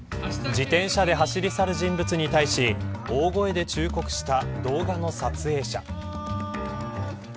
自転車で走り去る人物に対し大声で忠告した動画の撮影者。